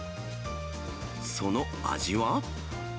その味は？